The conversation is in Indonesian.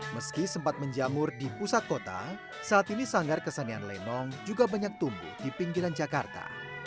meski sempat menjamur di pusat kota saat ini sanggar kesenian lenong juga banyak tumbuh di pinggiran jakarta